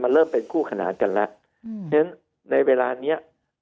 เริ่มเป็นคู่ขนานกันแล้วฉะนั้นในเวลานี้